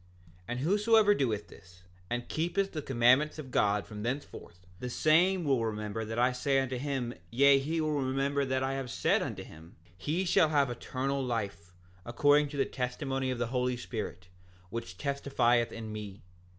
7:16 And whosoever doeth this, and keepeth the commandments of God from thenceforth, the same will remember that I say unto him, yea, he will remember that I have said unto him, he shall have eternal life, according to the testimony of the Holy Spirit, which testifieth in me.